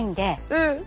うん。